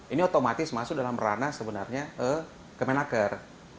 ini otomatis masuk dalam ranah sebenarnya kemenaker